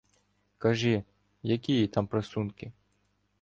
Кажи: якії там прасунки